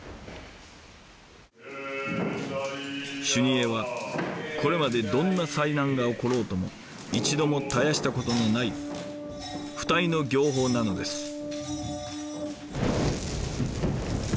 修二会はこれまでどんな災難が起ころうとも一度も絶やしたことのない「不退の行法」なのです。